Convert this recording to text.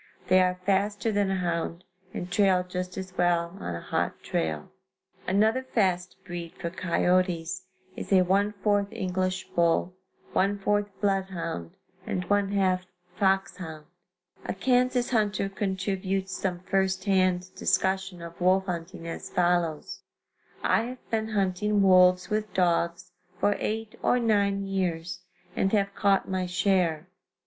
They are faster than a hound and trail just as well on a hot trail. Another fast breed for coyotes is a one fourth English bull, one fourth blood hound and one half fox hound. [Illustration: Typical Western Wolf Hounds.] A Kansas hunter contributes some first hand discussion of wolf hunting as follows: I have been hunting wolves with dogs for eight or nine years and have caught my share.